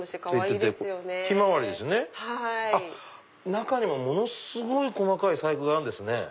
中にもものすごい細かい細工があるんですね。